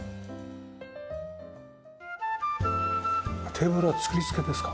テーブルは作り付けですか？